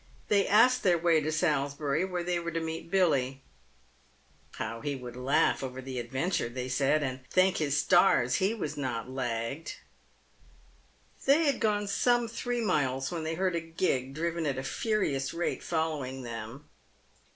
They asked their way to Salisbury, where they were to meet Billy. " How he would laugh over the adventure," they said, and " thank his stars he was not ' lagged.' " They had gone some three miles, when they heard a gig, driven at a furious rate, following them.